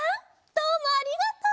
どうもありがとう！